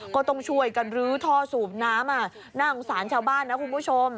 ก็ต้องช่วยกันรื้อท่อสูบน้ำน่าสงสารชาวบ้านนะคุณผู้ชม